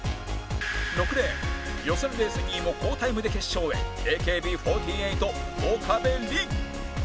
６レーン予選レース２位も好タイムで決勝へ ＡＫＢ４８ 岡部麟